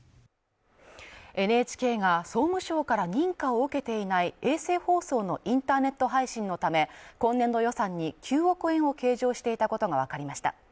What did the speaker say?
ＮＨＫが総務省から認可を受けていない衛星放送のインターネット配信のため今年度予算に９億円を計上していたことがわかりました。